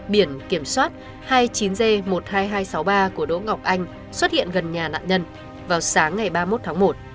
biển kiểm soát hai mươi chín g một mươi hai nghìn hai trăm sáu mươi ba của đỗ ngọc anh xuất hiện gần nhà nạn nhân vào sáng ngày ba mươi một tháng một